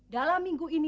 dalam minggu ini